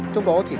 trong đó chỉ có